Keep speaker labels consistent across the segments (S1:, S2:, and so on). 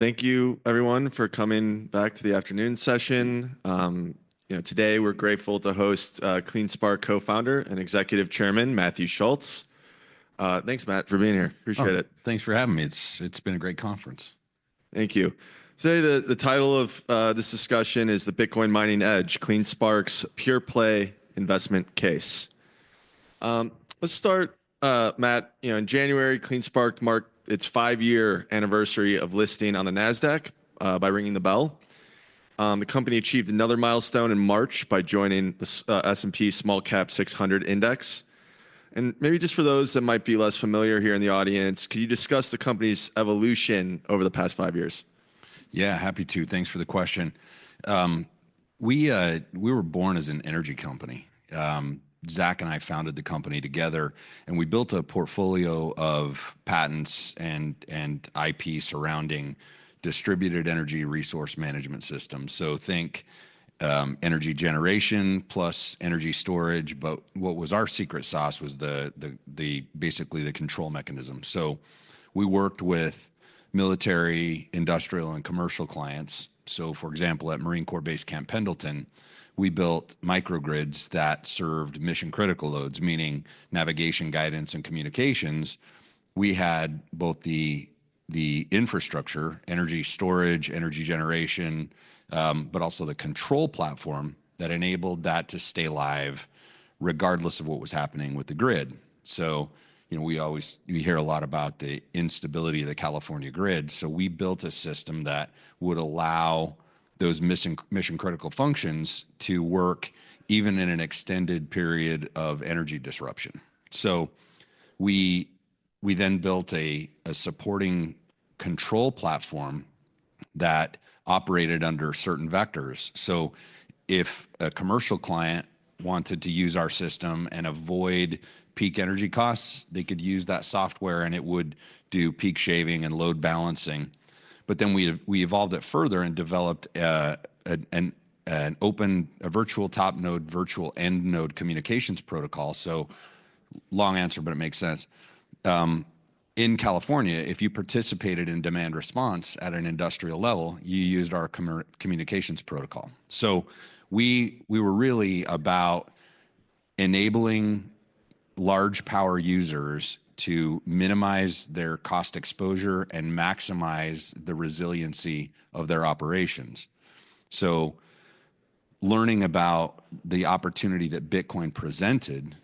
S1: Thank you, everyone, for coming back to the afternoon session. You know, today we're grateful to host CleanSpark Co-Founder and Executive Chairman, Matthew Schultz. Thanks, Matt, for being here. Appreciate it.
S2: Thanks for having me. It's been a great conference.
S1: Thank you. Today, the title of this discussion is The Bitcoin Mining Edge: CleanSpark's PurePlay Investment Case. Let's start, Matt, you know, in January, CleanSpark marked its five-year anniversary of listing on the NASDAQ by ringing the bell. The company achieved another milestone in March by joining the S&P SmallCap 600 Index. Maybe just for those that might be less familiar here in the audience, could you discuss the company's evolution over the past five years?
S2: Yeah, happy to. Thanks for the question. We were born as an energy company. Zach and I founded the company together, and we built a portfolio of patents and IP surrounding distributed energy resource management systems. Think energy generation plus energy storage. What was our secret sauce was basically the control mechanism. We worked with Military, Industrial, and Commercial clients. For example, at Marine Corps Base Camp Pendleton, we built microgrids that served mission-critical loads, meaning navigation, guidance, and communications. We had both the infrastructure—energy storage, energy generation—but also the control platform that enabled that to stay live regardless of what was happening with the grid. You know, we always—we hear a lot about the instability of the California GRIID. We built a system that would allow those mission-critical functions to work even in an extended period of energy disruption. We then built a supporting control platform that operated under certain vectors. If a commercial client wanted to use our system and avoid peak energy costs, they could use that software, and it would do peak shaving and load balancing. We evolved it further and developed an open virtual top node, virtual end node communications protocol. Long answer, but it makes sense. In California, if you participated in demand response at an industrial level, you used our communications protocol. We were really about enabling large power users to minimize their cost exposure and maximize the resiliency of their operations. Learning about the opportunity that Bitcoin presented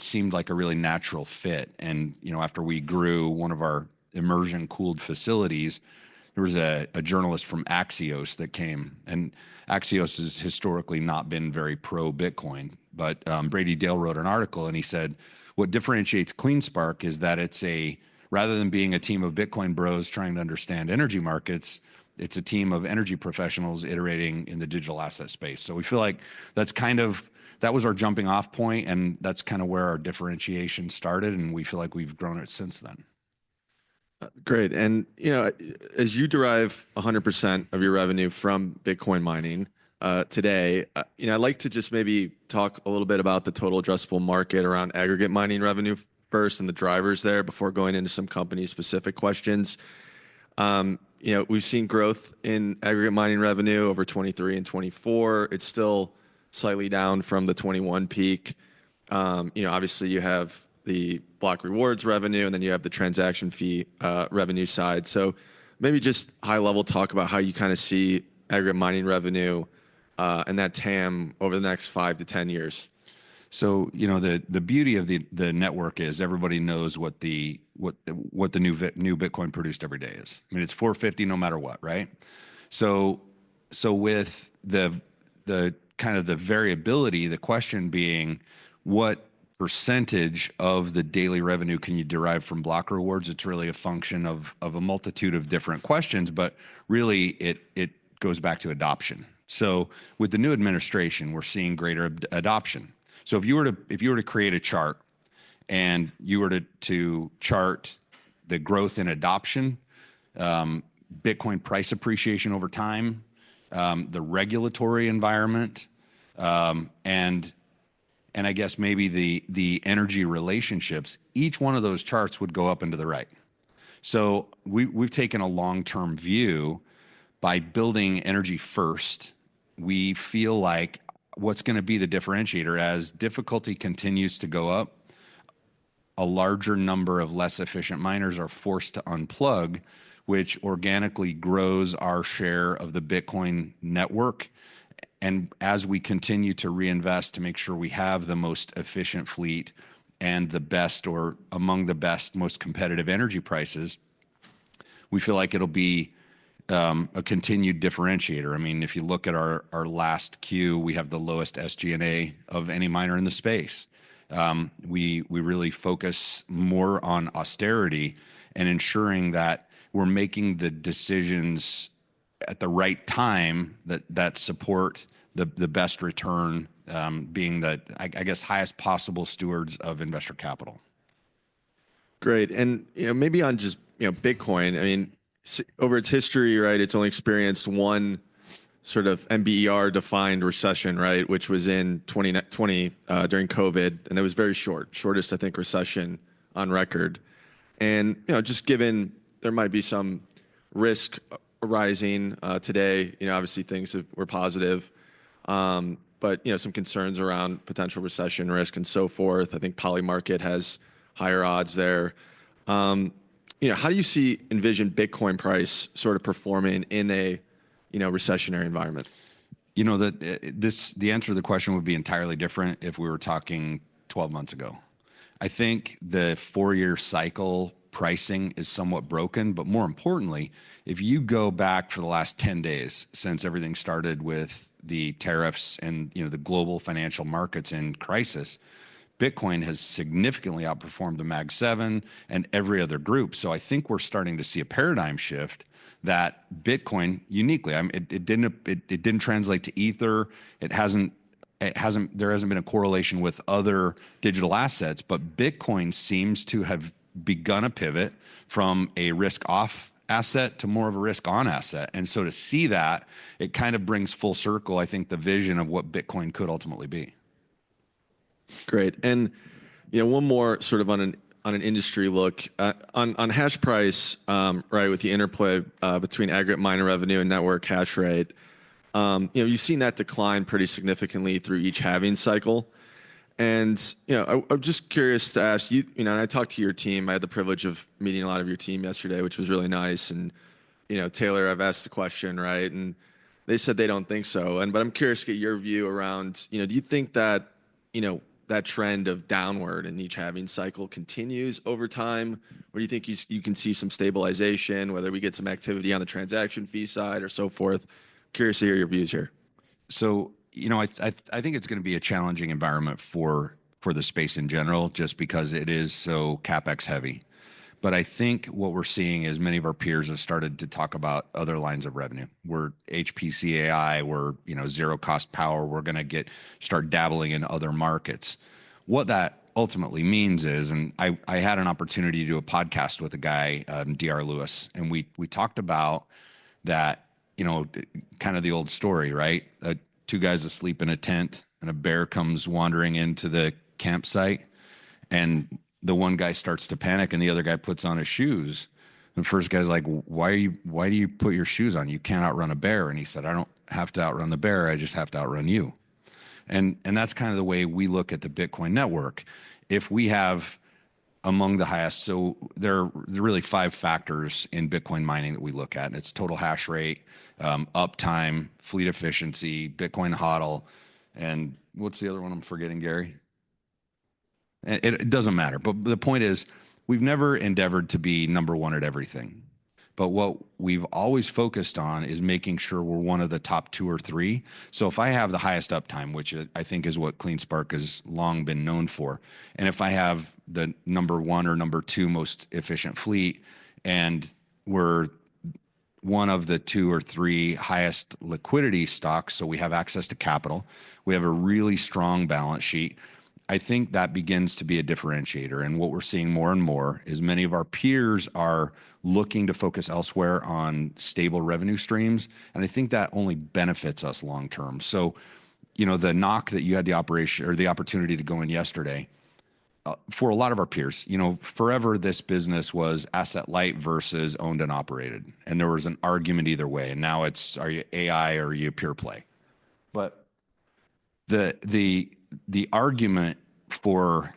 S2: seemed like a really natural fit. You know, after we grew one of our immersion-cooled facilities, there was a journalist from Axios that came, and Axios has historically not been very pro-Bitcoin. Brady Dale wrote an article, and he said, "What differentiates CleanSpark is that it's a—rather than being a team of Bitcoin bros trying to understand energy markets, it's a team of energy professionals iterating in the digital asset space." We feel like that's kind of—that was our jumping-off point, and that's kind of where our differentiation started, and we feel like we've grown it since then.
S1: Great. And, you know, as you derive 100% of your revenue from Bitcoin mining, today, you know, I'd like to just maybe talk a little bit about the total addressable market around aggregate mining revenue first and the drivers there before going into some company-specific questions. You know, we've seen growth in aggregate mining revenue over 2023 and 2024. It's still slightly down from the 2021 peak. You know, obviously you have the block rewards revenue, and then you have the transaction fee, revenue side. So maybe just high-level talk about how you kind of see aggregate mining revenue, and that TAM over the next 5 to 10 years.
S2: You know, the beauty of the network is everybody knows what the new Bitcoin produced every day is. I mean, it's $4.50 no matter what, right? With the kind of the variability, the question being, what percentage of the daily revenue can you derive from block rewards? It's really a function of a multitude of different questions, but really it goes back to adoption. With the new administration, we're seeing greater adoption. If you were to create a chart and you were to chart the growth in adoption, Bitcoin price appreciation over time, the regulatory environment, and I guess maybe the energy relationships, each one of those charts would go up and to the right. We've taken a long-term view by building energy first. We feel like what's going to be the differentiator as difficulty continues to go up, a larger number of less efficient miners are forced to unplug, which organically grows our share of the Bitcoin network. As we continue to reinvest to make sure we have the most efficient fleet and the best or among the best, most competitive energy prices, we feel like it'll be a continued differentiator. I mean, if you look at our last queue, we have the lowest SG&A of any miner in the space. We really focus more on austerity and ensuring that we're making the decisions at the right time that support the best return, being the, I guess, highest possible stewards of investor capital.
S1: Great. And, you know, maybe on just, you know, Bitcoin, I mean, over its history, right, it's only experienced one sort of NBER-defined recession, right, which was in 2019, during COVID, and it was very short, shortest, I think, recession on record. And, you know, just given there might be some risk arising, today, you know, obviously things were positive, but, you know, some concerns around potential recession risk and so forth. I think Polymarket has higher odds there. You know, how do you see, envision Bitcoin price sort of performing in a, you know, recessionary environment?
S2: You know, the answer to the question would be entirely different if we were talking 12 months ago. I think the four-year cycle pricing is somewhat broken, but more importantly, if you go back for the last 10 days since everything started with the tariffs and, you know, the global financial markets in crisis, Bitcoin has significantly outperformed the MAG 7 and every other group. I think we're starting to see a paradigm shift that Bitcoin uniquely, I mean, it didn't, it didn't translate to Ether. It hasn't, there hasn't been a correlation with other digital assets, but Bitcoin seems to have begun a pivot from a risk-off asset to more of a risk-on asset. To see that, it kind of brings full circle, I think, the vision of what Bitcoin could ultimately be.
S1: Great. You know, one more sort of on an industry look, on hash price, right, with the interplay between aggregate miner revenue and network hash rate, you know, you've seen that decline pretty significantly through each halving cycle. You know, I'm just curious to ask you, you know, I talked to your team, I had the privilege of meeting a lot of your team yesterday, which was really nice. You know, Taylor, I've asked the question, right? They said they don't think so. I'm curious to get your view around, you know, do you think that, you know, that trend of downward in each halving cycle continues over time? Do you think you can see some stabilization, whether we get some activity on the transaction fee side or so forth? Curious to hear your views here.
S2: You know, I think it's going to be a challenging environment for the space in general, just because it is so CapEx heavy. I think what we're seeing is many of our peers have started to talk about other lines of revenue. We're HPC-AI, we're, you know, zero-cost power. We're going to get start dabbling in other markets. What that ultimately means is, and I had an opportunity to do a podcast with a guy, Dr. Lewis, and we talked about that, you know, kind of the old story, right? Two guys asleep in a tent and a bear comes wandering into the campsite, and the one guy starts to panic and the other guy puts on his shoes. The first guy's like, "Why are you, why do you put your shoes on? You cannot outrun a bear." He said, "I don't have to outrun the bear. I just have to outrun you." That is kind of the way we look at the Bitcoin network. If we have among the highest, so there are really five factors in Bitcoin mining that we look at, and it is total hash rate, uptime, fleet efficiency, Bitcoin HODL, and what is the other one? I am forgetting,
S1: Gary.
S2: It does not matter. The point is we have never endeavored to be number one at everything. What we have always focused on is making sure we are one of the top two or three. If I have the highest uptime, which I think is what CleanSpark has long been known for, and if I have the number one or number two most efficient fleet and we're one of the two or three highest liquidity stocks, so we have access to capital, we have a really strong balance sheet, I think that begins to be a differentiator. What we're seeing more and more is many of our peers are looking to focus elsewhere on stable revenue streams. I think that only benefits us long term. You know, the knock that you had, the operation or the opportunity to go in yesterday, for a lot of our peers, forever this business was asset light versus owned and operated. There was an argument either way. Now it's, are you AI or are you pure play?
S1: But.
S2: The argument for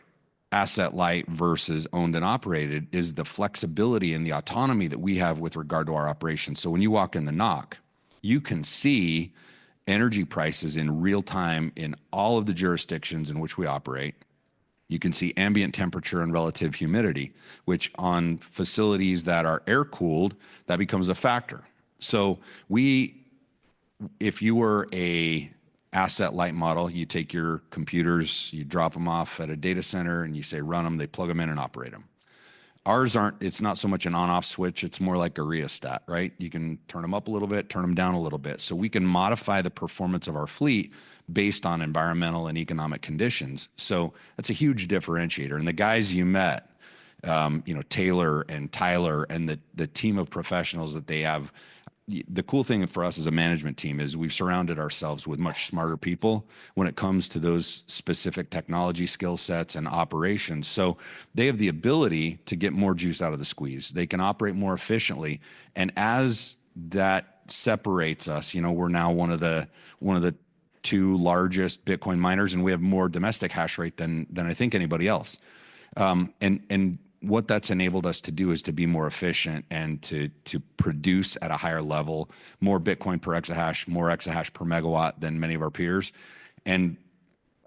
S2: asset light versus owned and operated is the flexibility and the autonomy that we have with regard to our operations. When you walk in the knock, you can see energy prices in real time in all of the jurisdictions in which we operate. You can see ambient temperature and relative humidity, which on facilities that are air-cooled, that becomes a factor. If you were an asset light model, you take your computers, you drop them off at a data center and you say, "Run them," they plug them in and operate them. Ours are not, it is not so much an on-off switch. It is more like a rheostat, right? You can turn them up a little bit, turn them down a little bit. We can modify the performance of our fleet based on environmental and economic conditions. That is a huge differentiator. The guys you met, you know, Taylor and Tyler and the team of professionals that they have, the cool thing for us as a management team is we've surrounded ourselves with much smarter people when it comes to those specific technology skill sets and operations. They have the ability to get more juice out of the squeeze. They can operate more efficiently. As that separates us, you know, we're now one of the two largest Bitcoin miners, and we have more domestic hash rate than, than I think anybody else. What that's enabled us to do is to be more efficient and to produce at a higher level, more Bitcoin per exahash, more exahash per megawatt than many of our peers.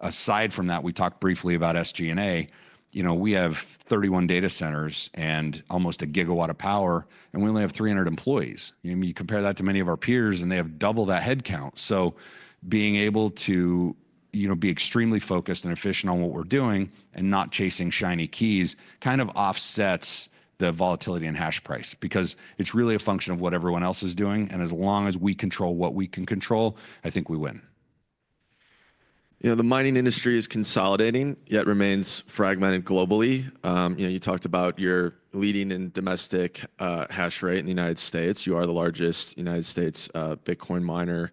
S2: Aside from that, we talked briefly about SG&A, you know, we have 31 data centers and almost a gigawatt of power, and we only have 300 employees. You know, you compare that to many of our peers, and they have double that headcount. Being able to, you know, be extremely focused and efficient on what we're doing and not chasing shiny keys kind of offsets the volatility in hash price because it's really a function of what everyone else is doing. As long as we control what we can control, I think we win.
S1: You know, the mining industry is consolidating, yet remains fragmented globally. You know, you talked about your leading in domestic hash rate in the United States. You are the largest United States Bitcoin miner.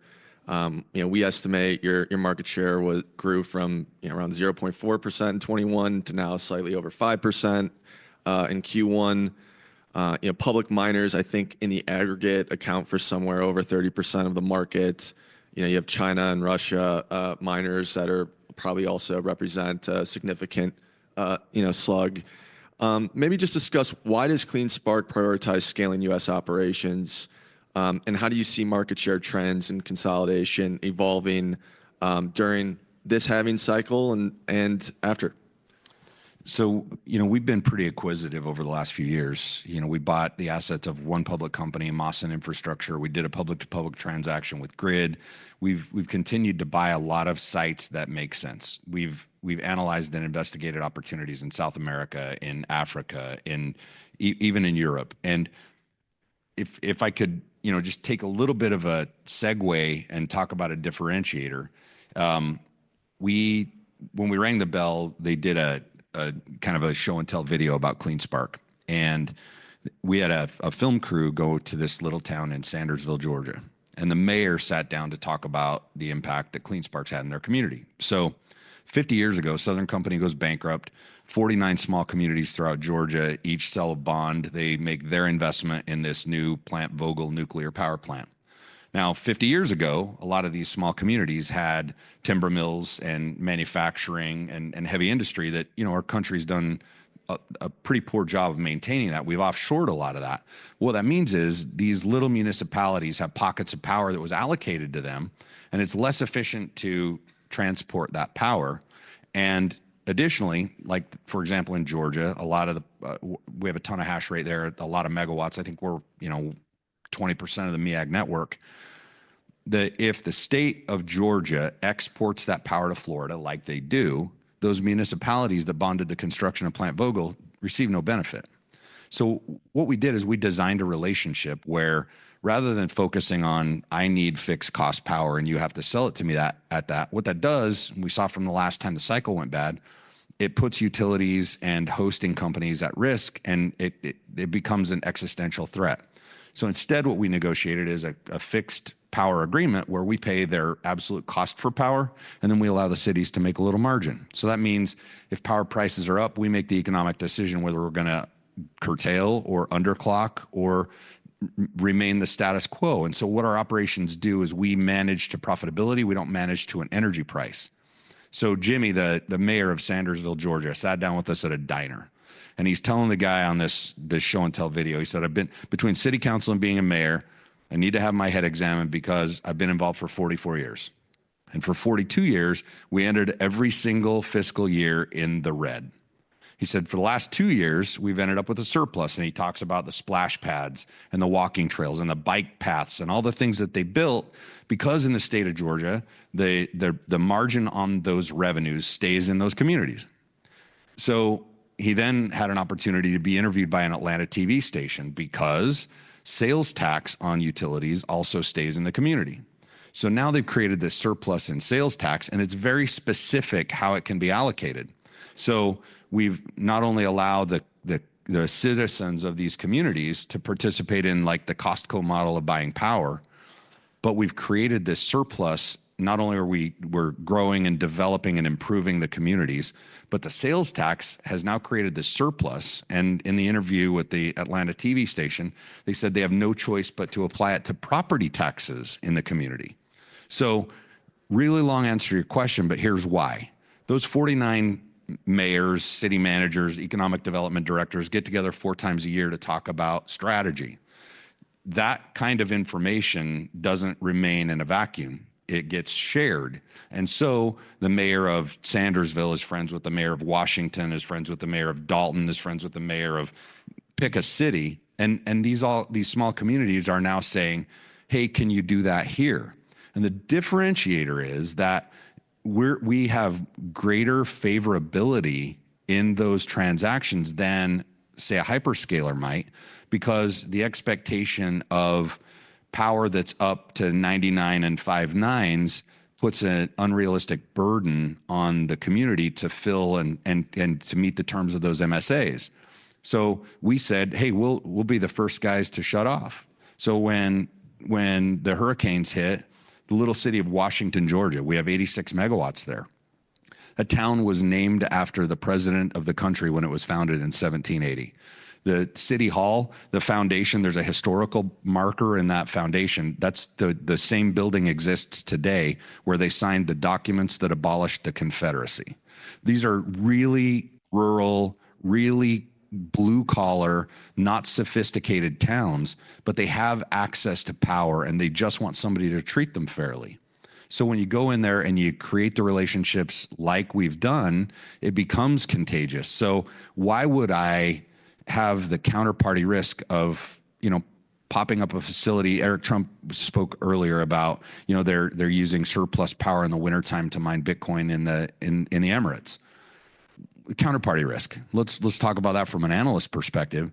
S1: You know, we estimate your market share grew from, you know, around 0.4% in 2021 to now slightly over 5% in Q1. You know, public miners, I think in the aggregate account for somewhere over 30% of the market. You know, you have China and Russia miners that are probably also represent a significant, you know, slug. Maybe just discuss why does CleanSpark prioritize scaling U.S. operations, and how do you see market share trends and consolidation evolving during this halving cycle and after?
S2: You know, we've been pretty inquisitive over the last few years. You know, we bought the assets of one public company, Mawson Infrastructure. We did a public-to-public transaction with GRIID. We've continued to buy a lot of sites that make sense. We've analyzed and investigated opportunities in South America, in Africa, even in Europe. If I could, you know, just take a little bit of a segue and talk about a differentiator, we, when we rang the bell, they did a kind of a show and tell video about CleanSpark. We had a film crew go to this little town in Sandersville, Georgia. The mayor sat down to talk about the impact that CleanSpark's had in their community. Fifty years ago, Southern Company goes bankrupt, 49 small communities throughout Georgia each sell a bond. They make their investment in this new Plant Vogtle Nuclear Power Plant. Now, 50 years ago, a lot of these small communities had timber mills and manufacturing and, you know, heavy industry that, you know, our country's done a pretty poor job of maintaining that. We've offshored a lot of that. What that means is these little municipalities have pockets of power that was allocated to them, and it's less efficient to transport that power. Additionally, like for example, in Georgia, a lot of the, we have a ton of hash rate there, a lot of megawatts. I think we're, you know, 20% of the MEAG network. If the state of Georgia exports that power to Florida, like they do, those municipalities that bonded the construction of Plant Vogtle receive no benefit. What we did is we designed a relationship where rather than focusing on, "I need fixed cost power and you have to sell it to me at that," what that does, we saw from the last time the cycle went bad, it puts utilities and hosting companies at risk and it becomes an existential threat. Instead, what we negotiated is a fixed power agreement where we pay their absolute cost for power and then we allow the cities to make a little margin. That means if power prices are up, we make the economic decision whether we're going to curtail or underclock or remain the status quo. What our operations do is we manage to profitability. We don't manage to an energy price. Jimmy, the mayor of Sandersville, Georgia, sat down with us at a diner and he's telling the guy on this show and tell video, he said, "I've been between City Council and being a Mayor, I need to have my head examined because I've been involved for 44 years." And for 42 years, we entered every single fiscal year in the red. He said, "For the last two years, we've ended up with a surplus." He talks about the splash pads and the walking trails and the bike paths and all the things that they built because in the state of Georgia, the margin on those revenues stays in those communities. He then had an opportunity to be interviewed by an Atlanta TV station because sales tax on utilities also stays in the community. They've created this surplus in sales tax and it's very specific how it can be allocated. We've not only allowed the citizens of these communities to participate in like the Costco model of buying power, but we've created this surplus. Not only are we growing and developing and improving the communities, but the sales tax has now created the surplus. In the interview with the Atlanta TV station, they said they have no choice but to apply it to property taxes in the community. Really long answer to your question, but here's why. Those 49 Mayors, City Managers, Economic Development Directors get together four times a year to talk about strategy. That kind of information doesn't remain in a vacuum. It gets shared. The Mayor of Sandersville is friends with the mayor of Washington, is friends with the Mayor of Dalton, is friends with the Mayor of Pick a City. These small communities are now saying, "Hey, can you do that here?" The differentiator is that we have greater favorability in those transactions than, say, a hyperscaler might, because the expectation of power that's up to 99 and five nines puts an unrealistic burden on the community to fill and to meet the terms of those MSAs. We said, "Hey, we'll be the first guys to shut off." When the hurricanes hit, the little city of Washington, Georgia, we have 86 mg there. A town was named after the president of the country when it was founded in 1780. The city hall, the foundation, there's a historical marker in that foundation. That's the, the same building exists today where they signed the documents that abolished the Confederacy. These are really rural, really blue-collar, not sophisticated towns, but they have access to power and they just want somebody to treat them fairly. When you go in there and you create the relationships like we've done, it becomes contagious. Why would I have the counterparty risk of, you know, popping up a facility? Eric Trump spoke earlier about, you know, they're using surplus power in the wintertime to mine Bitcoin in the Emirates. Counterparty risk. Let's talk about that from an analyst perspective.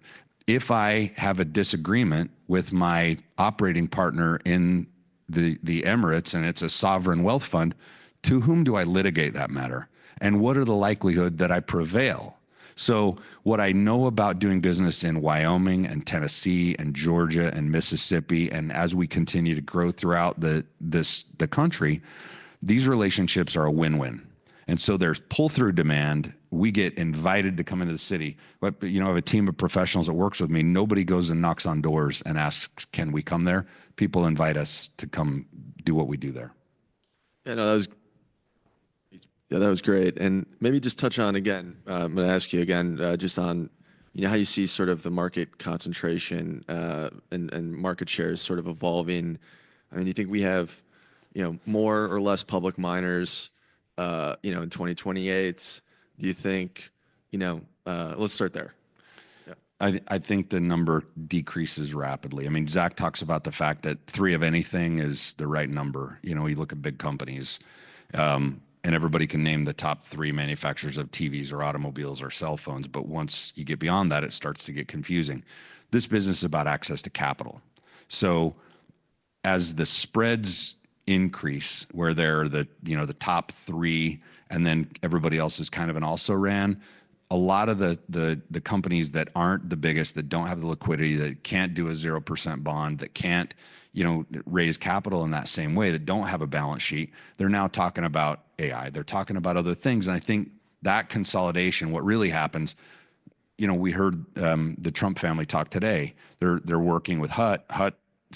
S2: If I have a disagreement with my operating partner in the Emirates and it's a sovereign wealth fund, to whom do I litigate that matter? What are the likelihood that I prevail? What I know about doing business in Wyoming and Tennessee and Georgia and Mississippi, and as we continue to grow throughout the country, these relationships are a win-win. There is pull-through demand. We get invited to come into the city. You know, I have a team of professionals that works with me. Nobody goes and knocks on doors and asks, "Can we come there?" People invite us to come do what we do there.
S1: Yeah, no, that was great. Maybe just touch on again, I'm going to ask you again, just on, you know, how you see sort of the market concentration and market shares sort of evolving. I mean, do you think we have, you know, more or less public miners, you know, in 2028? Do you think, you know, let's start there.
S2: Yeah, I think the number decreases rapidly. I mean, Zach talks about the fact that three of anything is the right number. You know, you look at big companies, and everybody can name the top three manufacturers of TVs or automobiles or cell phones. But once you get beyond that, it starts to get confusing. This business is about access to capital. As the spreads increase where they're the, you know, the top three and then everybody else is kind of an also ran, a lot of the companies that aren't the biggest, that don't have the liquidity, that can't do a 0% bond, that can't, you know, raise capital in that same way, that don't have a balance sheet, they're now talking about AI. They're talking about other things. I think that consolidation, what really happens, you know, we heard the Trump family talk today. They're working with Hut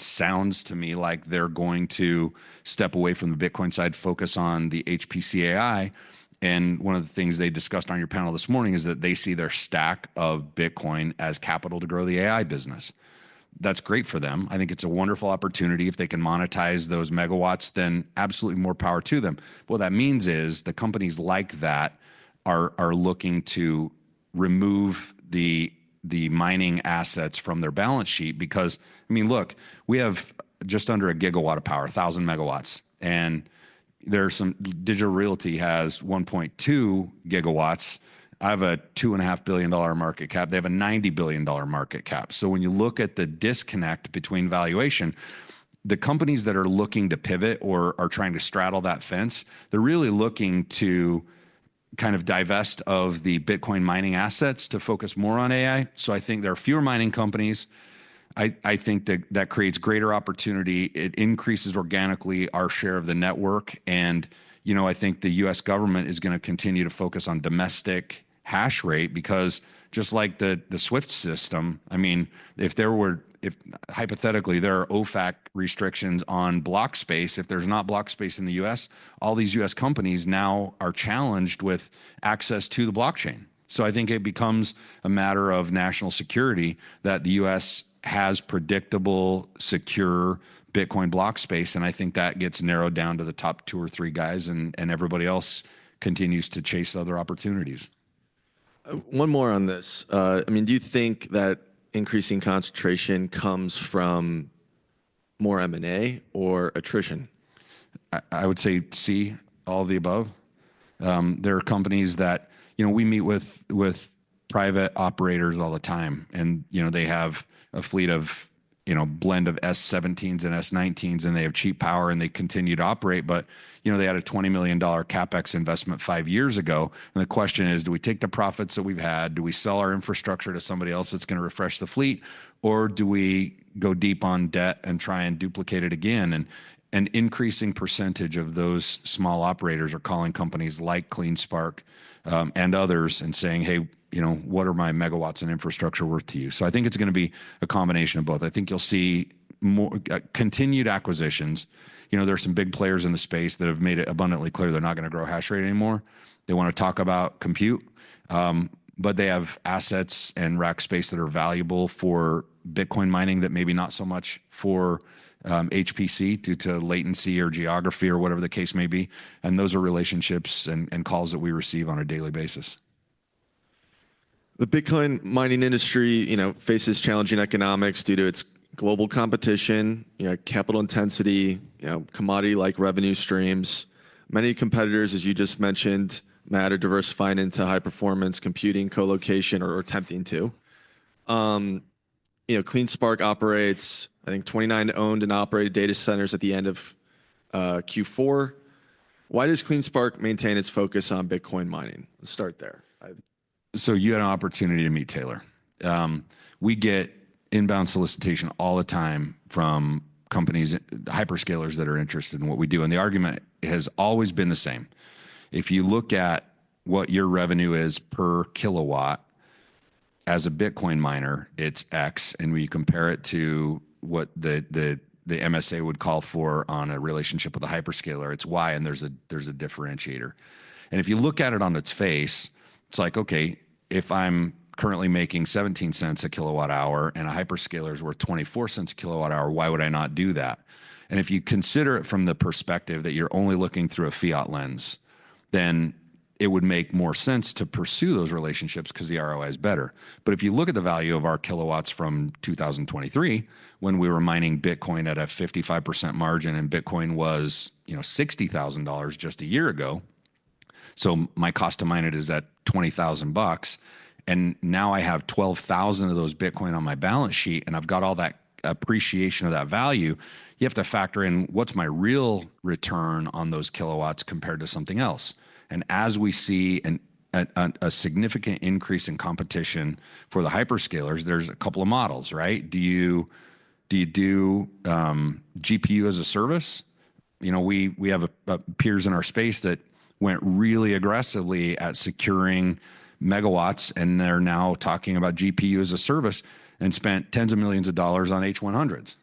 S2: sounds to me like they're going to step away from the Bitcoin side, focus on the HPC AI. One of the things they discussed on your panel this morning is that they see their stack of Bitcoin as capital to grow the AI business. That's great for them. I think it's a wonderful opportunity. If they can monetize those megawatts, then absolutely more power to them. What that means is the companies like that are looking to remove the mining assets from their balance sheet because, I mean, look, we have just under a gigawatt of power, a thousand megawatts. And there's some Digital Realty has 1.2 gw. I have a $2.5 billion market cap. They have a $90 billion market cap. When you look at the disconnect between valuation, the companies that are looking to pivot or are trying to straddle that fence, they're really looking to kind of divest of the Bitcoin mining assets to focus more on AI. I think there are fewer mining companies. I think that that creates greater opportunity. It increases organically our share of the network. You know, I think the U.S. government is going to continue to focus on domestic hash rate because just like the SWIFT system, I mean, if there were, if hypothetically there are OFAC restrictions on block space, if there's not block space in the U.S., all these U.S. companies now are challenged with access to the blockchain. I think it becomes a matter of national security that the U.S. has predictable, secure Bitcoin block space. I think that gets narrowed down to the top two or three guys, and everybody else continues to chase other opportunities.
S1: One more on this. I mean, do you think that increasing concentration comes from more M&A or attrition?
S2: I would say C, all the above. There are companies that, you know, we meet with, with private operators all the time and, you know, they have a fleet of, you know, blend of S17s and S19s and they have cheap power and they continue to operate. But, you know, they had a $20 million CapEx investment five years ago. The question is, do we take the profits that we've had? Do we sell our infrastructure to somebody else that's going to refresh the fleet? Do we go deep on debt and try and duplicate it again? An increasing percentage of those small operators are calling companies like CleanSpark and others and saying, "Hey, you know, what are my megawatts and infrastructure worth to you?" I think it's going to be a combination of both. I think you'll see more, continued acquisitions. You know, there are some big players in the space that have made it abundantly clear they're not going to grow hash rate anymore. They want to talk about compute, but they have assets and rack space that are valuable for Bitcoin mining that maybe not so much for HPC due to latency or geography or whatever the case may be. Those are relationships and calls that we receive on a daily basis.
S1: The Bitcoin mining industry, you know, faces challenging economics due to its global competition, you know, capital intensity, you know, commodity-like revenue streams. Many competitors, as you just mentioned, are diversifying into high performance computing, co-location, or attempting to. You know, CleanSpark operates, I think, 29 owned and operated data centers at the end of Q4. Why does CleanSpark maintain its focus on Bitcoin mining? Let's start there.
S2: You had an opportunity to meet Taylor. We get inbound solicitation all the time from companies, hyperscalers that are interested in what we do. The argument has always been the same. If you look at what your revenue is per kilowatt as a Bitcoin miner, it is X. We compare it to what the MSA would call for on a relationship with a hyperscaler, it is Y. There is a differentiator. If you look at it on its face, it is like, okay, if I am currently making $0.17 a kilowatt hour and a hyperscaler is worth $0.24 a kilowatt hour, why would I not do that? If you consider it from the perspective that you are only looking through a fiat lens, then it would make more sense to pursue those relationships because the ROI is better. If you look at the value of our kilowatts from 2023, when we were mining Bitcoin at a 55% margin and Bitcoin was, you know, $60,000 just a year ago, my cost to mine it is at $20,000. Now I have 12,000 of those Bitcoin on my balance sheet and I have all that appreciation of that value. You have to factor in what is my real return on those kilowatts compared to something else. As we see a significant increase in competition for the hyperscalers, there are a couple of models, right? Do you do GPU as a service? We have peers in our space that went really aggressively at securing megawatts and they are now talking about GPU as a service and spent tens of millions of dollars on H100s.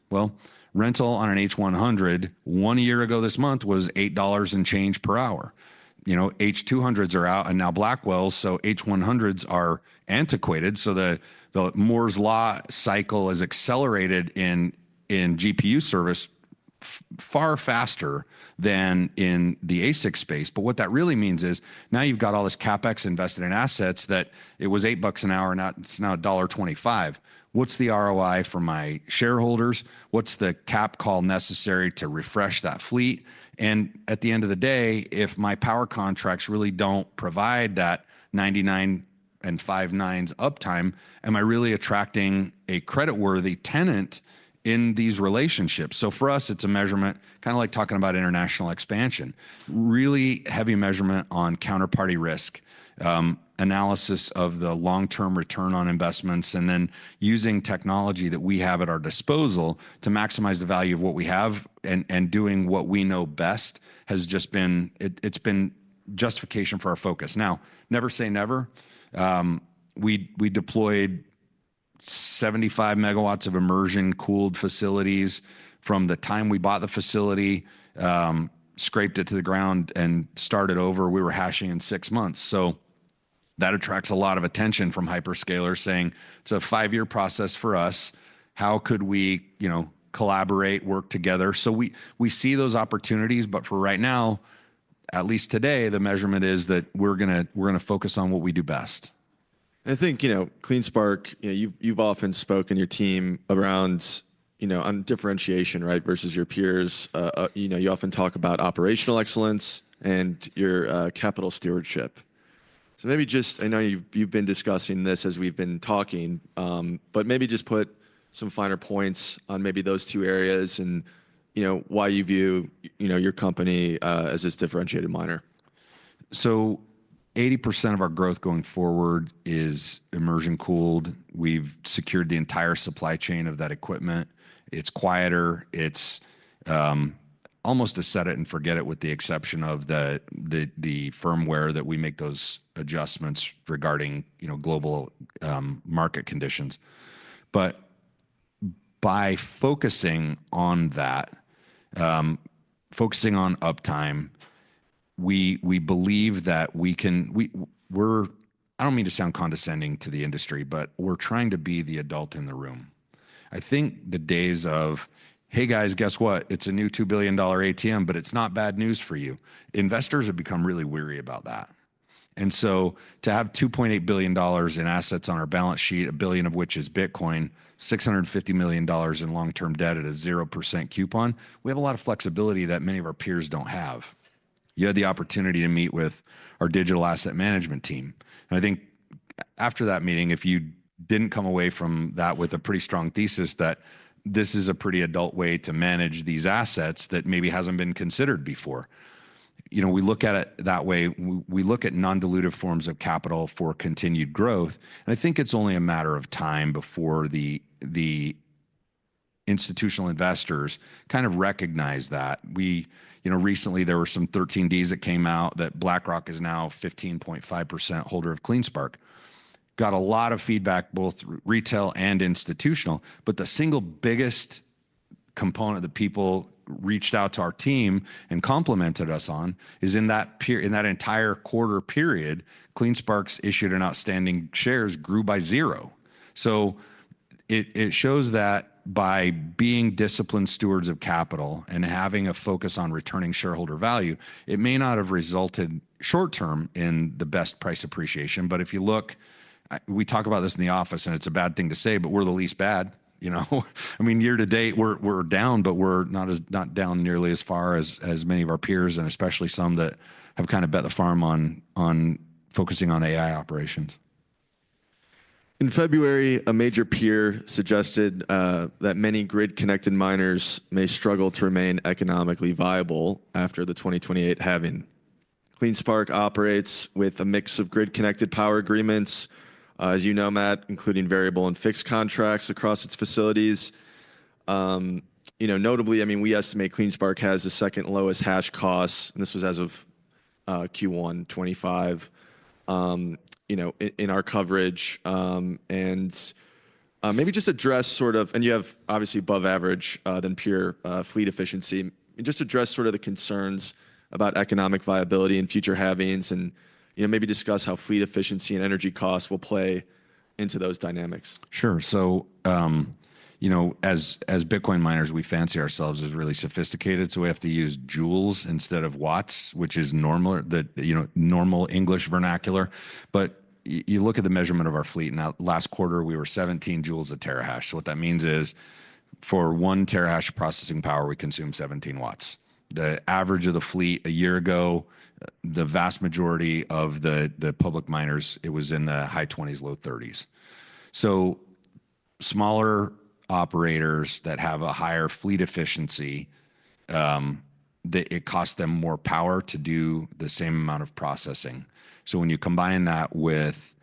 S2: Rental on an H100 one year ago this month was $8 and change per hour. You know, H200s are out and now Blackwells. H100s are antiquated. The Moore's Law cycle is accelerated in GPU service far faster than in the Asicspace. What that really means is now you've got all this CapEx invested in assets that it was $8 an hour, now it's $1.25. What's the ROI for my shareholders? What's the cap call necessary to refresh that fleet? At the end of the day, if my power contracts really don't provide that 99 and five nines uptime, am I really attracting a creditworthy tenant in these relationships? For us, it's a measurement, kind of like talking about international expansion, really heavy measurement on counterparty risk, analysis of the long-term return on investments, and then using technology that we have at our disposal to maximize the value of what we have and, you know, doing what we know best has just been, it's been justification for our focus. Never say never. We deployed 75 mw of immersion-cooled facilities from the time we bought the facility, scraped it to the ground and started over. We were hashing in six months. That attracts a lot of attention from hyperscalers saying, it's a five-year process for us. How could we, you know, collaborate, work together? We see those opportunities, but for right now, at least today, the measurement is that we're going to focus on what we do best.
S1: I think, you know, CleanSpark, you know, you've, you've often spoken your team around, you know, on differentiation, right, versus your peers. You know, you often talk about operational excellence and your capital stewardship. So maybe just, I know you've, you've been discussing this as we've been talking, but maybe just put some finer points on maybe those two areas and, you know, why you view, you know, your company as this differentiated miner.
S2: Eighty percent of our growth going forward is immersion cooled. We've secured the entire supply chain of that equipment. It's quieter. It's almost a set it and forget it with the exception of the firmware that we make those adjustments regarding, you know, global market conditions. By focusing on that, focusing on uptime, we believe that we can, I don't mean to sound condescending to the industry, but we're trying to be the adult in the room. I think the days of, hey guys, guess what? It's a new $2 billion ATM, but it's not bad news for you. Investors have become really weary about that. To have $2.8 billion in assets on our balance sheet, a billion of which is Bitcoin, $650 million in long-term debt at a 0% coupon, we have a lot of flexibility that many of our peers do not have. You had the opportunity to meet with our digital asset management team. I think after that meeting, if you did not come away from that with a pretty strong thesis that this is a pretty adult way to manage these assets that maybe has not been considered before, you know, we look at it that way. We look at non-dilutive forms of capital for continued growth. I think it's only a matter of time before the institutional investors kind of recognize that we, you know, recently there were some 13Ds that came out that BlackRock is now a 15.5% holder of CleanSpark, got a lot of feedback, both retail and institutional, but the single biggest component that people reached out to our team and complimented us on is in that peer, in that entire quarter period, CleanSpark's issued and outstanding shares grew by zero. It shows that by being disciplined stewards of capital and having a focus on returning shareholder value, it may not have resulted short term in the best price appreciation. If you look, we talk about this in the office and it's a bad thing to say, but we're the least bad, you know, I mean, year to date, we're down, but we're not down nearly as far as many of our peers and especially some that have kind of bet the farm on focusing on AI operations.
S1: In February, a major peer suggested that many grid-connected miners may struggle to remain economically viable after the 2028 halving. CleanSpark operates with a mix of grid-connected power agreements, as you know, Matt, including variable and fixed contracts across its facilities. You know, notably, I mean, we estimate CleanSpark has the second lowest hash costs. And this was as of Q1 2025, you know, in our coverage. Maybe just address sort of, and you have obviously above average, than peer, fleet efficiency. Just address sort of the concerns about economic viability and future halvings and, you know, maybe discuss how fleet efficiency and energy costs will play into those dynamics.
S2: Sure. So, you know, as Bitcoin miners, we fancy ourselves as really sophisticated. So we have to use joules instead of watts, which is normal, you know, normal English vernacular. You look at the measurement of our fleet and that last quarter we were 17 joules per terahash. What that means is for one terahash of processing power, we consume 17 joules. The average of the fleet a year ago, the vast majority of the public miners, it was in the high 20s, low 30s. Smaller operators that have a higher fleet efficiency, it costs them more power to do the same amount of processing. When you combine that with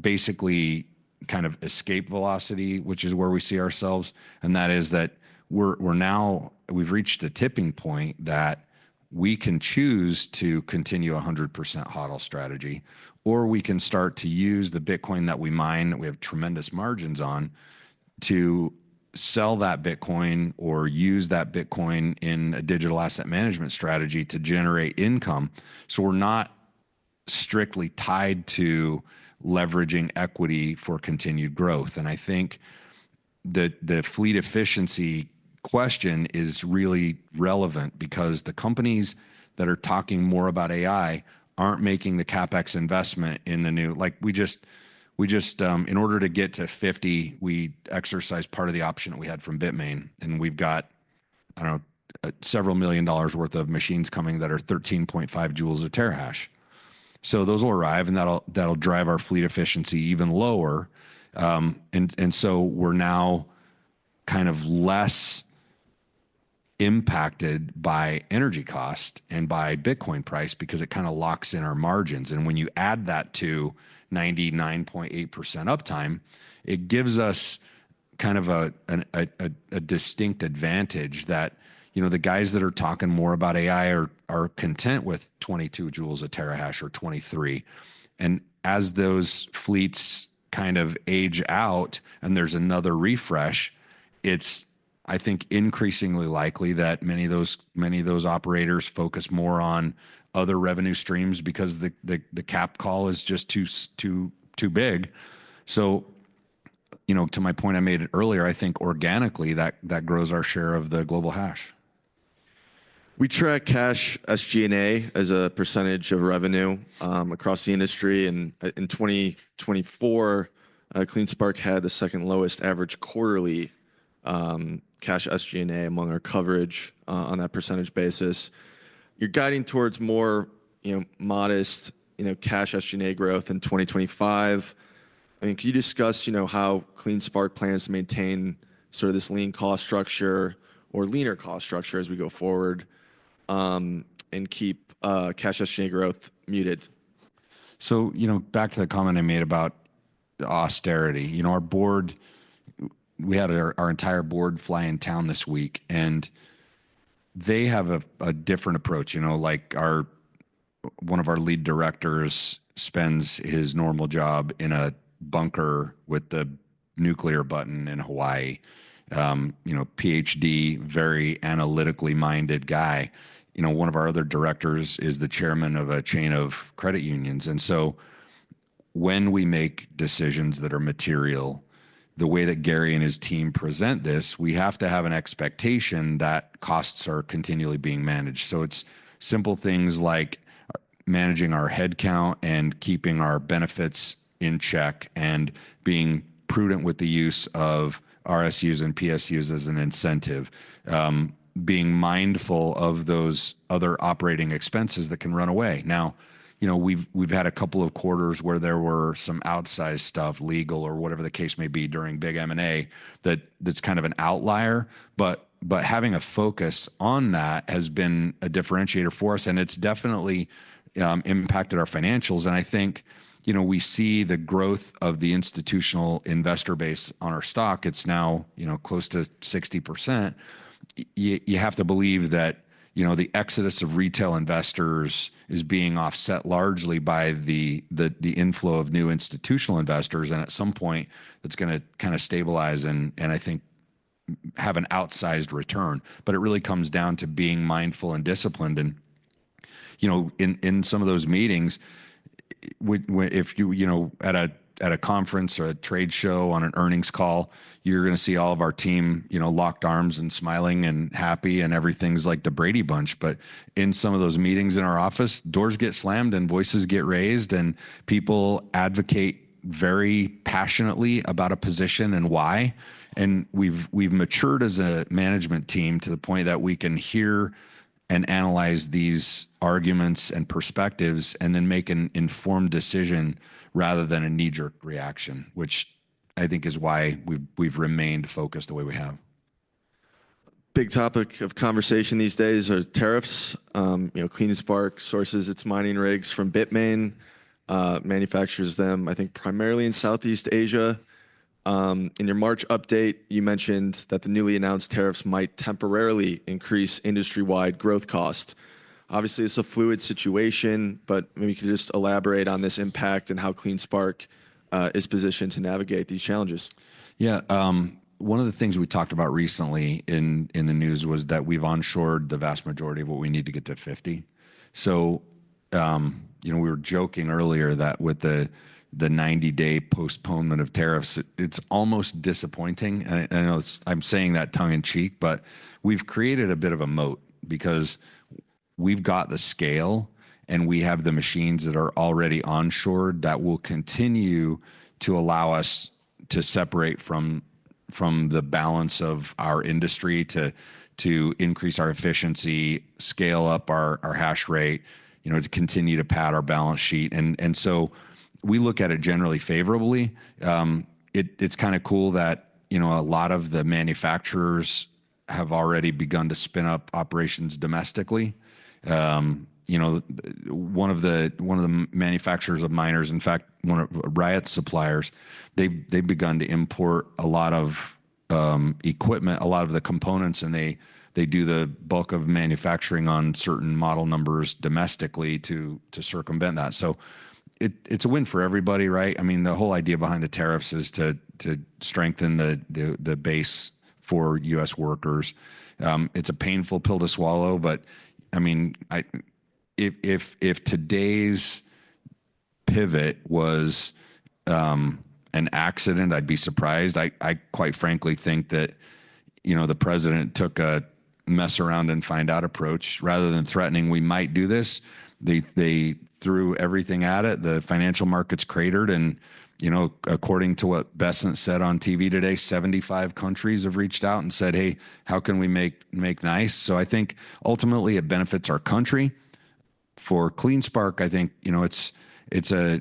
S2: basically kind of escape velocity, which is where we see ourselves, and that is that we're, we're now, we've reached the tipping point that we can choose to continue a 100% HODL strategy, or we can start to use the Bitcoin that we mine that we have tremendous margins on to sell that Bitcoin or use that Bitcoin in a digital asset management strategy to generate income. We're not strictly tied to leveraging equity for continued growth. I think the fleet efficiency question is really relevant because the companies that are talking more about AI aren't making the CapEx investment in the new, like we just, in order to get to 50, we exercised part of the option that we had from Bitmain and we've got, I don't know, several million dollars worth of machines coming that are 13.5 joules a terahash. Those will arrive and that'll drive our fleet efficiency even lower. We are now kind of less impacted by energy cost and by Bitcoin price because it kind of locks in our margins. When you add that to 99.8% uptime, it gives us kind of a distinct advantage that, you know, the guys that are talking more about AI are content with 22 joules a terahash or 23. As those fleets kind of age out and there's another refresh, I think, increasingly likely that many of those, many of those operators focus more on other revenue streams because the cap call is just too, too, too big. You know, to my point I made earlier, I think organically that grows our share of the global hash.
S1: We track cash SG&A as a percentage of revenue, across the industry. In 2024, CleanSpark had the second lowest average quarterly cash SG&A among our coverage, on that percentage basis. You're guiding towards more, you know, modest, you know, cash SG&A growth in 2025. I mean, can you discuss, you know, how CleanSpark plans to maintain sort of this lean cost structure or leaner cost structure as we go forward, and keep cash SG&A growth muted?
S2: You know, back to the comment I made about the austerity, you know, our board, we had our entire board fly in town this week and they have a different approach, you know, like our, one of our lead directors spends his normal job in a bunker with the nuclear button in Hawaii, you know, PhD, very analytically minded guy. You know, one of our other directors is the chairman of a chain of credit unions. And so when we make decisions that are material, the way that Gary and his team present this, we have to have an expectation that costs are continually being managed. It is simple things like managing our headcount and keeping our benefits in check and being prudent with the use of RSUs and PSUs as an incentive, being mindful of those other operating expenses that can run away. Now, you know, we've had a couple of quarters where there were some outsized stuff, legal or whatever the case may be during big M&A that, that's kind of an outlier, but having a focus on that has been a differentiator for us and it's definitely impacted our financials. I think, you know, we see the growth of the institutional investor base on our stock. It's now, you know, close to 60%. You have to believe that, you know, the exodus of retail investors is being offset largely by the inflow of new institutional investors. At some point, that's going to kind of stabilize and I think have an outsized return, but it really comes down to being mindful and disciplined. You know, in some of those meetings, if you, you know, at a conference or a trade show or an earnings call, you're going to see all of our team locked arms and smiling and happy and everything's like the Brady Bunch. In some of those meetings in our office, doors get slammed and voices get raised and people advocate very passionately about a position and why. We've matured as a management team to the point that we can hear and analyze these arguments and perspectives and then make an informed decision rather than a knee-jerk reaction, which I think is why we've remained focused the way we have.
S1: Big topic of conversation these days are tariffs. You know, CleanSpark sources its mining rigs from Bitmain, manufactures them, I think primarily in Southeast Asia. In your March update, you mentioned that the newly announced tariffs might temporarily increase industry-wide growth costs. Obviously, it's a fluid situation, but maybe you could just elaborate on this impact and how CleanSpark is positioned to navigate these challenges.
S2: Yeah. One of the things we talked about recently in the news was that we've onshored the vast majority of what we need to get to 50. You know, we were joking earlier that with the 90-day postponement of tariffs, it's almost disappointing. I know I'm saying that tongue in cheek, but we've created a bit of a moat because we've got the scale and we have the machines that are already onshored that will continue to allow us to separate from the balance of our industry to increase our efficiency, scale up our hash rate, you know, to continue to pad our balance sheet. We look at it generally favorably. It's kind of cool that, you know, a lot of the manufacturers have already begun to spin up operations domestically. You know, one of the, one of the manufacturers of miners, in fact, one of Riot's suppliers, they've begun to import a lot of equipment, a lot of the components, and they do the bulk of manufacturing on certain model numbers domestically to circumvent that. So it's a win for everybody, right? I mean, the whole idea behind the tariffs is to strengthen the base for U.S. Workers. It's a painful pill to swallow, but I mean, if today's pivot was an accident, I'd be surprised. I quite frankly think that, you know, the president took a mess around and find out approach rather than threatening we might do this. They threw everything at it. The Financial Markets cratered. You know, according to what Bessent said on TV today, 75 countries have reached out and said, hey, how can we make nice? I think ultimately it benefits our country. For CleanSpark, I think, you know, it's a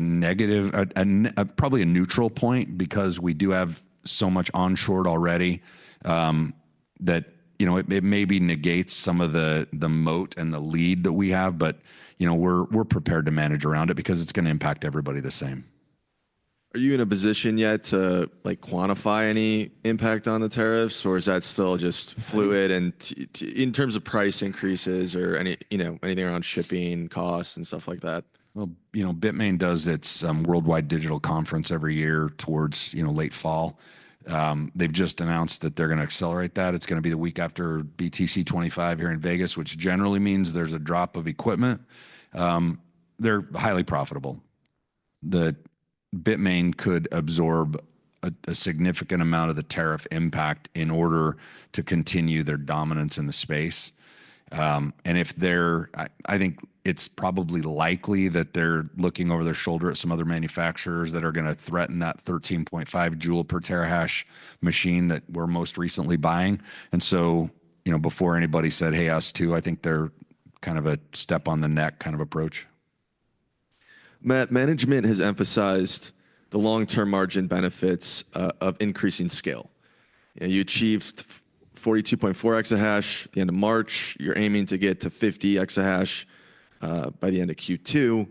S2: negative, probably a neutral point because we do have so much onshored already that, you know, it maybe negates some of the moat and the lead that we have, but, you know, we're prepared to manage around it because it's going to impact everybody the same.
S1: Are you in a position yet to like quantify any impact on the tariffs or is that still just fluid and in terms of price increases or any, you know, anything around shipping costs and stuff like that?
S2: You know, Bitmain does its worldwide digital conference every year towards late fall. They've just announced that they're going to accelerate that. It's going to be the week after BTC 25 here in Vegas, which generally means there's a drop of equipment. They're highly profitable. Bitmain could absorb a significant amount of the tariff impact in order to continue their dominance in the space. If they're, I think it's probably likely that they're looking over their shoulder at some other manufacturers that are going to threaten that 13.5 joules per terahash machine that we're most recently buying. You know, before anybody said, hey, us too, I think they're kind of a step on the neck kind of approach.
S1: Matt, management has emphasized the long-term margin benefits of increasing scale. You know, you achieved 42.4 exahash at the end of March. You're aiming to get to 50 exahash by the end of Q2.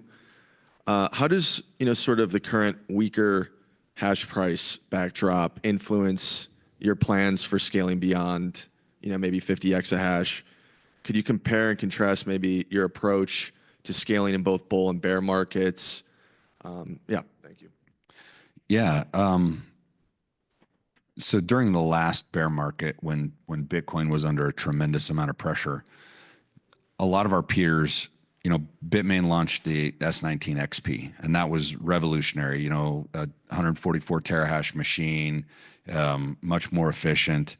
S1: How does, you know, sort of the current weaker hash price backdrop influence your plans for scaling beyond, you know, maybe 50 exahash? Could you compare and contrast maybe your approach to scaling in both bull and bear markets? Yeah, thank you.
S2: Yeah. So during the last bear market when Bitcoin was under a tremendous amount of pressure, a lot of our peers, you know, Bitmain launched the S19 XP and that was revolutionary, you know, a 144 terahash machine, much more efficient.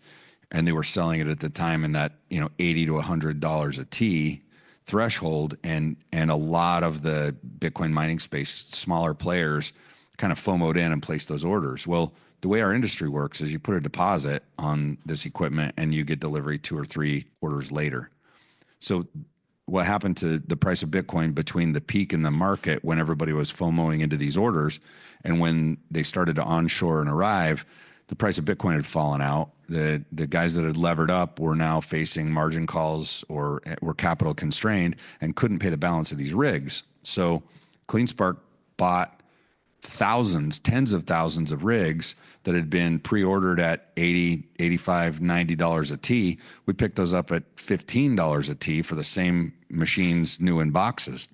S2: And they were selling it at the time in that, you know, $80-$100 a T threshold. And a lot of the Bitcoin mining space, smaller players kind of FOMOed in and placed those orders. The way our industry works is you put a deposit on this equipment and you get delivery two or three orders later. What happened to the price of Bitcoin between the peak and the market when everybody was FOMOing into these orders and when they started to onshore and arrive, the price of Bitcoin had fallen out. The guys that had levered up were now facing margin calls or were capital constrained and could not pay the balance of these rigs. CleanSpark bought thousands, tens of thousands of rigs that had been pre-ordered at $80, $85, $90 a T. We picked those up at $15 a T for the same machines, new in boxes.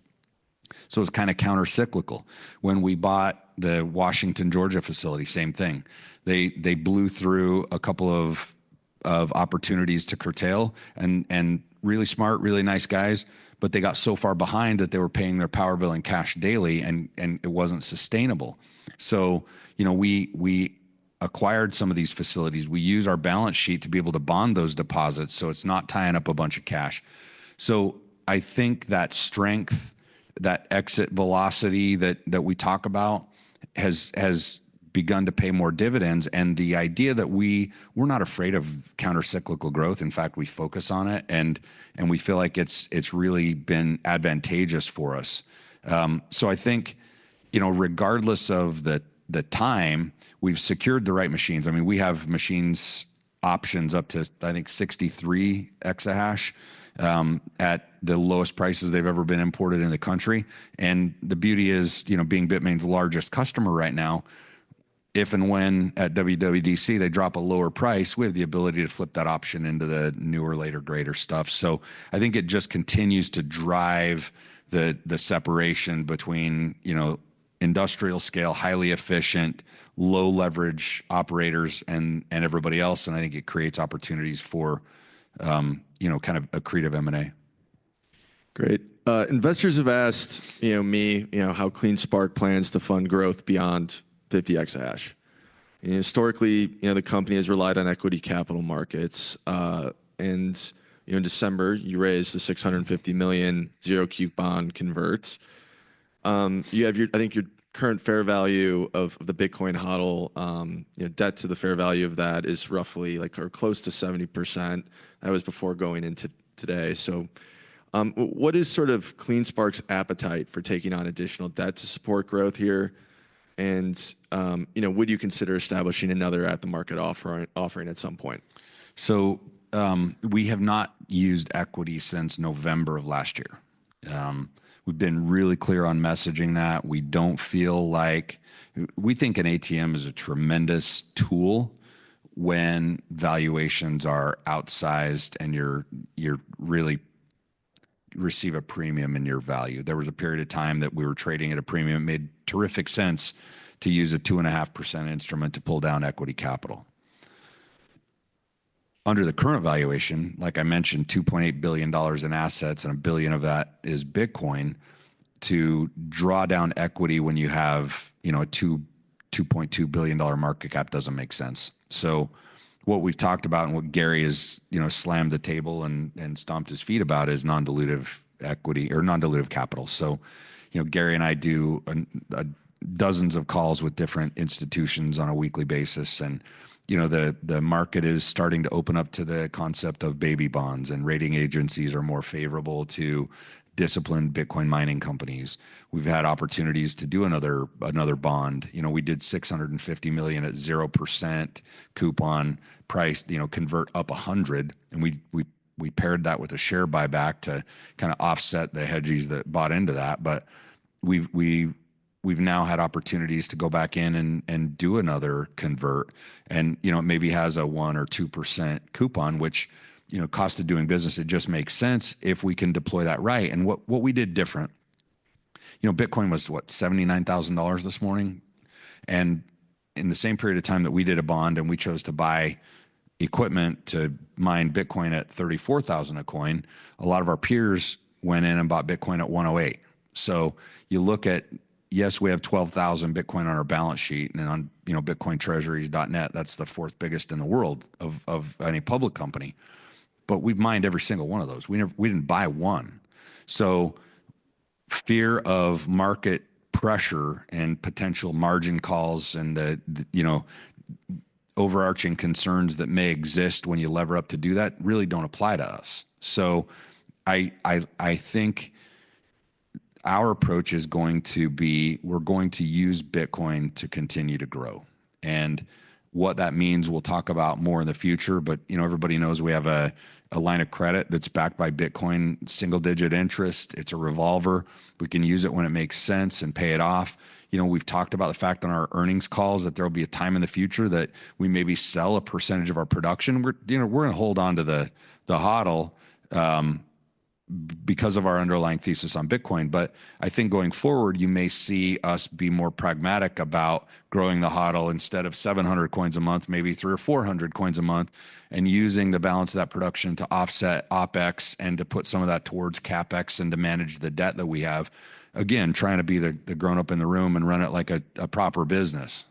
S2: It was kind of countercyclical. When we bought the Washington, Georgia facility, same thing. They blew through a couple of opportunities to curtail and really smart, really nice guys, but they got so far behind that they were paying their power bill in cash daily and it was not sustainable. You know, we acquired some of these facilities. We use our balance sheet to be able to bond those deposits so it is not tying up a bunch of cash. I think that strength, that exit velocity that we talk about has begun to pay more dividends. The idea that we were not afraid of countercyclical growth, in fact, we focus on it and we feel like it's really been advantageous for us. I think, you know, regardless of the time, we've secured the right machines. I mean, we have machines options up to, I think, 63 exahash, at the lowest prices they've ever been imported in the country. The beauty is, you know, being Bitmain's largest customer right now, if and when at WWDC they drop a lower price, we have the ability to flip that option into the newer, later, greater stuff. I think it just continues to drive the separation between, you know, industrial scale, highly efficient, low leverage operators and everybody else. I think it creates opportunities for, you know, kind of a creative M and A.
S1: Great. Investors have asked, you know, me, you know, how CleanSpark plans to fund growth beyond 50 exahash. And historically, you know, the company has relied on equity capital markets. And, you know, in December, you raised the $650 million zero Q bond converts. You have your, I think your current fair value of, of the Bitcoin HODL, you know, debt to the fair value of that is roughly like or close to 70%. That was before going into today. What is sort of CleanSpark's appetite for taking on additional debt to support growth here? And, you know, would you consider establishing another at the market offering at some point?
S2: We have not used equity since November of last year. We've been really clear on messaging that we do not feel like we think an ATM is a tremendous tool when valuations are outsized and you really receive a premium in your value. There was a period of time that we were trading at a premium. It made terrific sense to use a 2.5% instrument to pull down equity capital. Under the current valuation, like I mentioned, $2.8 billion in assets and a billion of that is Bitcoin, to draw down equity when you have, you know, a $2.2 billion market cap does not make sense. What we have talked about and what Gary has, you know, slammed the table and stomped his feet about is non-dilutive equity or non-dilutive capital. You know, Gary and I do dozens of calls with different institutions on a weekly basis. You know, the market is starting to open up to the concept of baby bonds and rating agencies are more favorable to disciplined Bitcoin mining companies. We've had opportunities to do another bond. You know, we did $650 million at 0% coupon price, you know, convert up $100. We paired that with a share buyback to kind of offset the hedges that bought into that. We've now had opportunities to go back in and do another convert. You know, it maybe has a 1% or 2% coupon, which, you know, cost of doing business, it just makes sense if we can deploy that right. What we did different, you know, Bitcoin was what, $79,000 this morning. In the same period of time that we did a bond and we chose to buy equipment to mine Bitcoin at $34,000 a coin, a lot of our peers went in and bought Bitcoin at $108,000. You look at, yes, we have 12,000 Bitcoin on our balance sheet and on, you know, bitcointreasuries.net, that's the fourth biggest in the world of any public company. We have mined every single one of those. We never, we did not buy one. Fear of market pressure and potential margin calls and the overarching concerns that may exist when you lever up to do that really do not apply to us. I think our approach is going to be, we are going to use Bitcoin to continue to grow. What that means, we'll talk about more in the future, but you know, everybody knows we have a line of credit that's backed by Bitcoin, single digit interest. It's a revolver. We can use it when it makes sense and pay it off. You know, we've talked about the fact on our earnings calls that there'll be a time in the future that we maybe sell a percentage of our production. We're, you know, we're going to hold on to the HODL, because of our underlying thesis on Bitcoin. I think going forward, you may see us be more pragmatic about growing the HODL instead of 700 coins a month, maybe 300 or 400 coins a month, and using the balance of that production to offset OpEx and to put some of that towards CapEx and to manage the debt that we have. Again, trying to be the grownup in the room and run it like a proper business.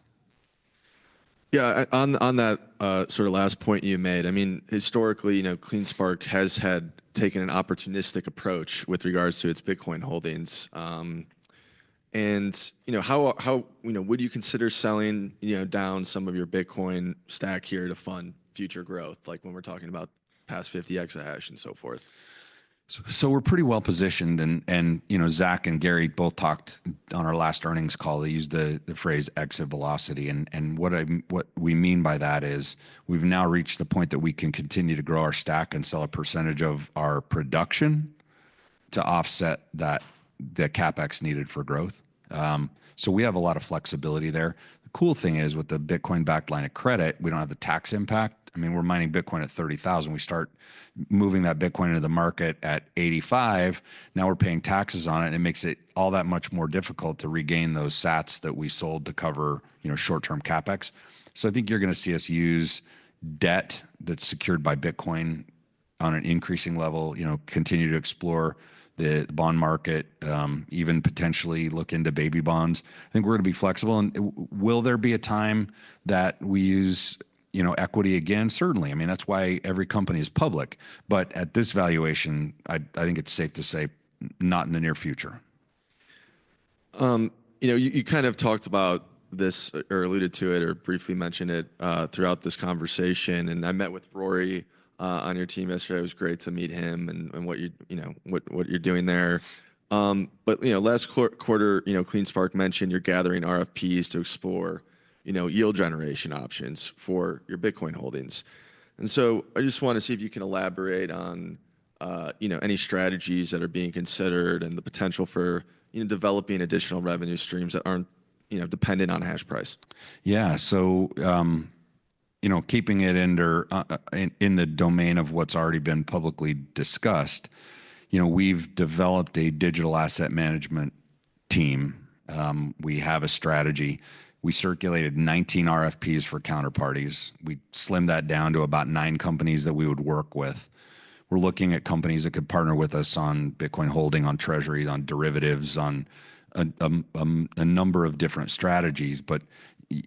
S1: Yeah. On that, sort of last point you made, I mean, historically, you know, CleanSpark has had taken an opportunistic approach with regards to its Bitcoin holdings. And you know, how, how, you know, would you consider selling, you know, down some of your Bitcoin stack here to fund future growth, like when we're talking about past 50 exahash and so forth?
S2: We're pretty well positioned and, you know, Zach and Gary both talked on our last earnings call. They used the phrase exit velocity. What we mean by that is we've now reached the point that we can continue to grow our stack and sell a percentage of our production to offset the CapEx needed for growth. We have a lot of flexibility there. The cool thing is with the Bitcoin backed line of credit, we don't have the tax impact. I mean, we're mining Bitcoin at $30,000. We start moving that Bitcoin into the market at $85,000. Now we're paying taxes on it. It makes it all that much more difficult to regain those sats that we sold to cover short-term CapEx. I think you're going to see us use debt that's secured by Bitcoin on an increasing level, you know, continue to explore the bond market, even potentially look into baby bonds. I think we're going to be flexible. Will there be a time that we use, you know, equity again? Certainly. I mean, that's why every company is public. At this valuation, I think it's safe to say not in the near future.
S1: You know, you kind of talked about this or alluded to it or briefly mentioned it throughout this conversation. I met with Rory on your team yesterday. It was great to meet him and what you're doing there. You know, last quarter, CleanSpark mentioned you're gathering RFPs to explore yield generation options for your Bitcoin holdings. I just want to see if you can elaborate on any strategies that are being considered and the potential for developing additional revenue streams that aren't dependent on hash price.
S2: Yeah. So, you know, keeping it under, in the domain of what's already been publicly discussed, you know, we've developed a digital asset management team. We have a strategy. We circulated 19 RFPs for counterparties. We slimmed that down to about nine companies that we would work with. We're looking at companies that could partner with us on Bitcoin holding, on treasuries, on derivatives, on a number of different strategies.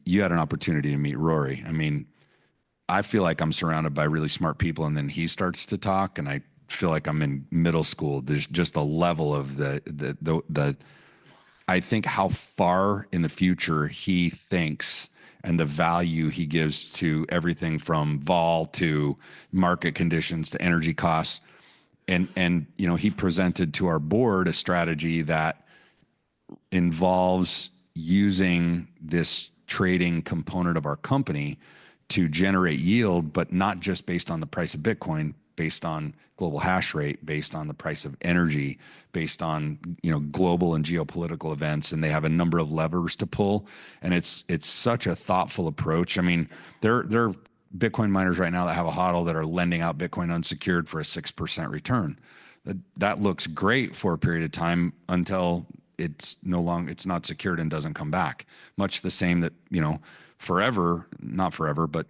S2: You had an opportunity to meet Rory. I mean, I feel like I'm surrounded by really smart people. And then he starts to talk and I feel like I'm in middle school. There's just a level of the, I think how far in the future he thinks and the value he gives to everything from vol to market conditions to energy costs. You know, he presented to our board a strategy that involves using this trading component of our company to generate yield, but not just based on the price of Bitcoin, based on global hash rate, based on the price of energy, based on, you know, global and geopolitical events. They have a number of levers to pull. It is such a thoughtful approach. I mean, there are Bitcoin miners right now that have a HODL that are lending out Bitcoin unsecured for a 6% return. That looks great for a period of time until it is no long, it is not secured and does not come back. Much the same that, you know, forever, not forever, but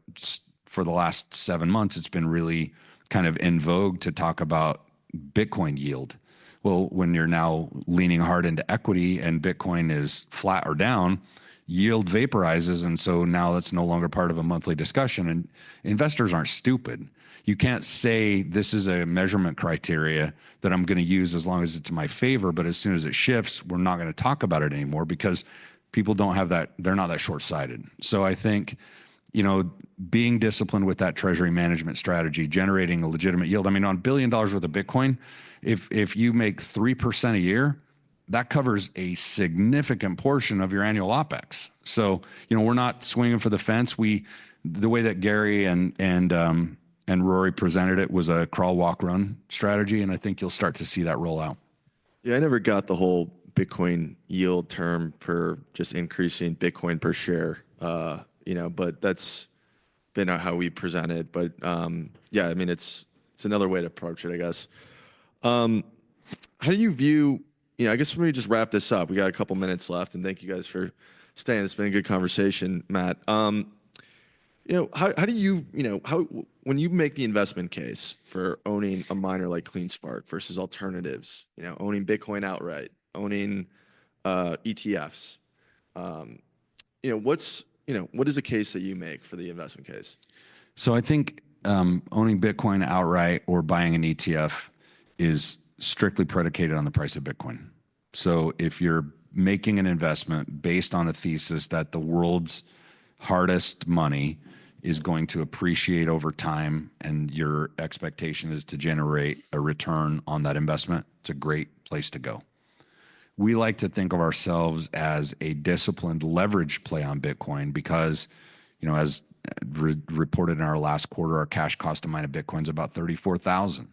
S2: for the last seven months, it has been really kind of in vogue to talk about Bitcoin yield. When you're now leaning hard into equity and Bitcoin is flat or down, yield vaporizes. Now that's no longer part of a monthly discussion. Investors aren't stupid. You can't say this is a measurement criteria that I'm going to use as long as it's in my favor, but as soon as it shifts, we're not going to talk about it anymore because people don't have that, they're not that shortsighted. I think, you know, being disciplined with that treasury management strategy, generating a legitimate yield. I mean, on a billion dollars worth of Bitcoin, if you make 3% a year, that covers a significant portion of your annual OpEx. You know, we're not swinging for the fence. The way that Gary and Rory presented it was a crawl, walk, run strategy. I think you'll start to see that roll out.
S1: Yeah. I never got the whole Bitcoin yield term for just increasing Bitcoin per share, you know, but that's been how we presented. Yeah, I mean, it's another way to approach it, I guess. How do you view, you know, I guess let me just wrap this up. We got a couple minutes left and thank you guys for staying. It's been a good conversation, Matt. You know, how do you, you know, how, when you make the investment case for owning a miner like CleanSpark versus alternatives, you know, owning Bitcoin outright, owning ETFs, you know, what's, you know, what is the case that you make for the investment case?
S2: I think, owning Bitcoin outright or buying an ETF is strictly predicated on the price of Bitcoin. If you're making an investment based on a thesis that the world's hardest money is going to appreciate over time and your expectation is to generate a return on that investment, it's a great place to go. We like to think of ourselves as a disciplined leverage play on Bitcoin because, you know, as reported in our last quarter, our cash cost to mine a Bitcoin is about $34,000.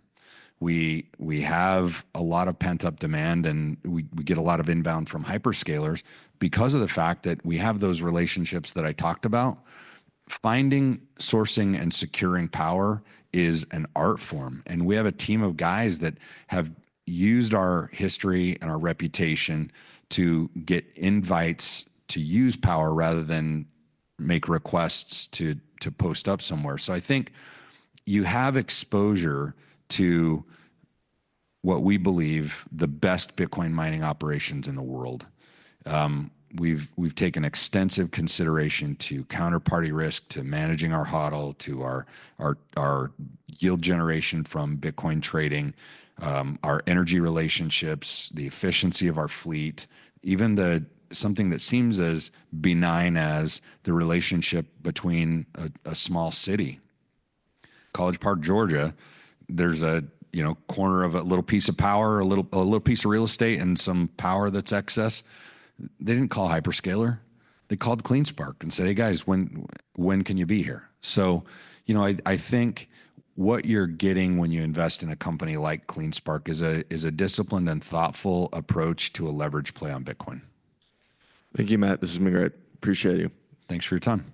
S2: We have a lot of pent-up demand and we get a lot of inbound from hyperscalers because of the fact that we have those relationships that I talked about. Finding, sourcing, and securing power is an art form. We have a team of guys that have used our history and our reputation to get invites to use power rather than make requests to, to post up somewhere. I think you have exposure to what we believe the best Bitcoin mining operations in the world. We've taken extensive consideration to counterparty risk, to managing our HODL, to our yield generation from Bitcoin trading, our energy relationships, the efficiency of our fleet, even something that seems as benign as the relationship between a small city, College Park, Georgia, there's a, you know, corner of a little piece of power, a little, a little piece of real estate and some power that's excess. They didn't call hyperscaler. They called CleanSpark and said, "Hey guys, when can you be here?" You know, I think what you're getting when you invest in a company like CleanSpark is a disciplined and thoughtful approach to a leverage play on Bitcoin.
S1: Thank you, Matt. This has been great. Appreciate you.
S2: Thanks for your time.